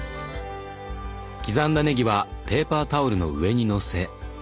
刻んだねぎはペーパータオルの上にのせ。